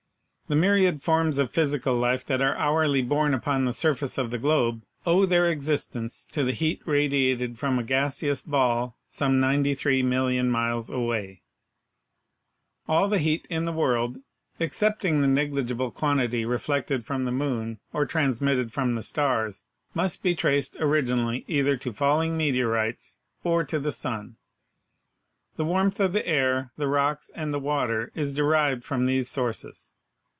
The myriad forms of physical life that are hourly born upon the surface of the globe owe their existence to the heat radiated from a gaseous ball, some 93,000,000 miles away. All heat in the world — excepting the negligible quantity reflected from the moon or transmitted from the stars — must be traced originally either to falling meteorites or to the sun. The warmth of the air, the rocks and the water is derived from these sources.